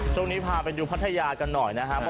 ช่วงนี้พาไปดูพัทยากันหน่อยนะครับ